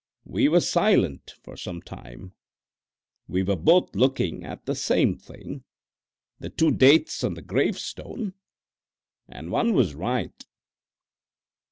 We were silent for some time. We were both looking at the same thing, the two dates on the gravestone, and one was right.